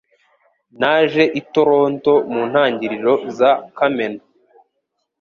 Naje i Toronto mu ntangiriro za Kamena.